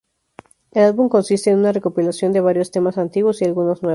El álbum consiste en una recopilación de varios temas antiguos y algunos nuevos.